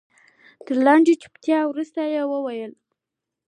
تر لنډې چوپتيا وروسته يې وويل.